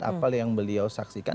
apa yang beliau saksikan